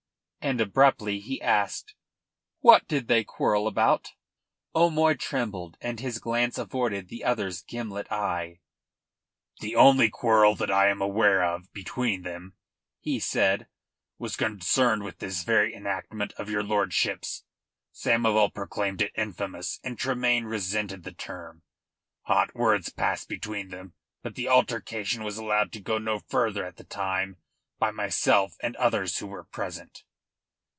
And abruptly he asked "What did they quarrel about?" O'Moy trembled, and his glance avoided the other's gimlet eye. "The only quarrel that I am aware of between them," he said, "was concerned with this very enactment of your lordship's. Samoval proclaimed it infamous, and Tremayne resented the term. Hot words passed between them, but the altercation was allowed to go no further at the time by myself and others who were present."